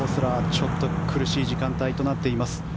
ちょっと苦しい時間帯となっています。